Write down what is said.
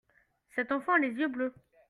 cet enfant a les yeux bleus.